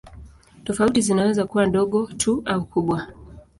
Tofauti zinaweza kuwa ndogo tu au kubwa.